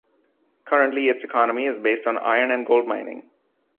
Currently its economy is based on iron and gold mining.